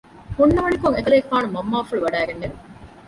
ހުންނަވަނިކޮށް އެކަލޭގެފާނުގެ މަންމާފުޅު ވަޑައިގެންނެވި